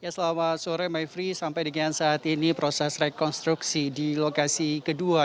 selama sore maifri sampai dikian saat ini proses rekonstruksi di lokasi kedua